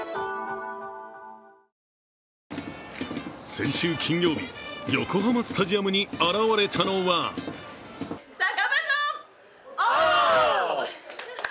先週金曜日、横浜スタジアムに現れたのは頑張るぞー、オー！